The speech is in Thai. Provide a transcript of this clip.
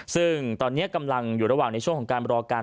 ซึ่งตอนนี้กำลังอยู่ระหว่างในช่วงของการรอการ